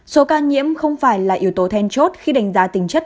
số ca nhiễm không phải là yếu tố then chốt khi đánh giá tính chất